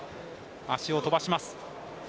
足を飛ばします。